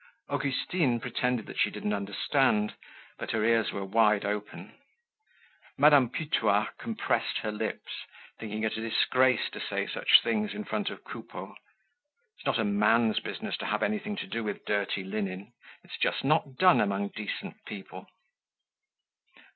Augustine pretended that she didn't understand, but her ears were wide open. Madame Putois compressed her lips, thinking it a disgrace to say such things in front of Coupeau. It's not a man's business to have anything to do with dirty linen. It's just not done among decent people.